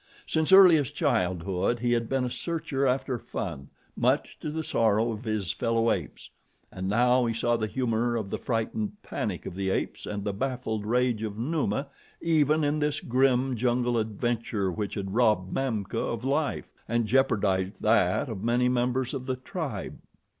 Since earliest childhood he had been a searcher after fun, much to the sorrow of his fellow apes, and now he saw the humor of the frightened panic of the apes and the baffled rage of Numa even in this grim jungle adventure which had robbed Mamka of life, and jeopardized that of many members of the tribe.